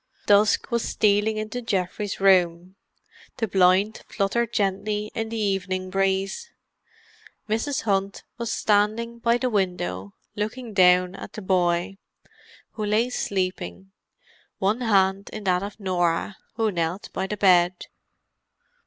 Dusk was stealing into Geoffrey's room; the blind fluttered gently in the evening breeze. Mrs. Hunt was standing by the window looking down at the boy, who lay sleeping, one hand in that of Norah, who knelt by the bed.